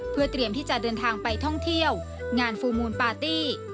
เพื่อเตรียมที่จะเดินทางไปท่องเที่ยวงานฟูลมูลปาร์ตี้